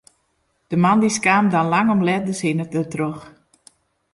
De moandeis kaam dan lang om let de sinne dertroch.